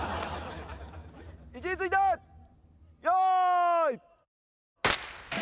位置について用意。